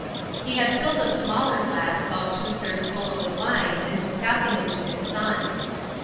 He had filled a smaller glass about two thirds full of the wine, and was passing it to his son.